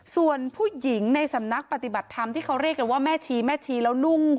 ส่วนผู้หญิงในสำนักปฏิบัติธรรมที่เขาเรียกกันว่าแม่ชีแม่ชีแล้วนุ่ง